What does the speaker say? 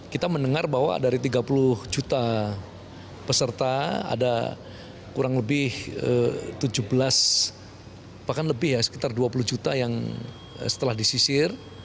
kita mendengar bahwa dari tiga puluh juta peserta ada kurang lebih tujuh belas bahkan lebih ya sekitar dua puluh juta yang setelah disisir